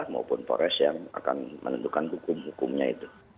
maupun polres yang akan menentukan hukum hukumnya itu